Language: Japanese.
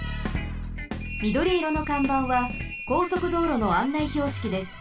みどりいろのかんばんはこうそくどうろのあんないひょうしきです。